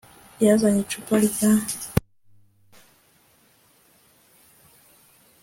yazanye icupa rya icupa rya kerosene iwe